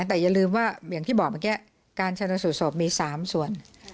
แต่อย่าลืมว่าอย่างที่บอกเมื่อกี้การชนสูตรศพมี๓ส่วน